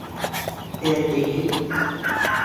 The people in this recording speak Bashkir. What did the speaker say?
Ә теге: